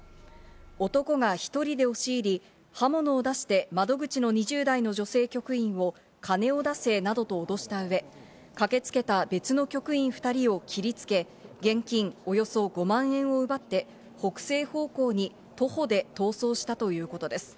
男が１人で押し入り、刃物を出して窓口の２０代の女性局員を金を出せなどと脅したうえ、駆けつけた別の局員２人を切りつけ、現金およそ５万円を奪って、北西方向に徒歩で逃走したということです。